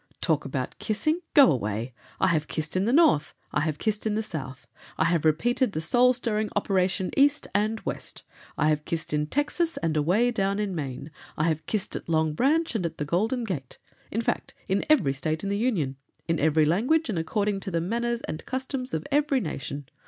"Talk about kissing! Go away! I have kissed in the North, I have kissed in the South; I have repeated the soul stirring operation East and West; I have kissed in Texas and away down in Maine; I have kissed at Long Branch and at the Golden Gate— in fact, in every State in the Union; in every language and according to the manners and customs of every nation.